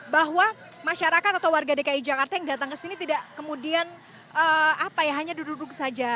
bahwa masyarakat atau warga dki jakarta yang datang ke sini tidak kemudian hanya duduk duduk saja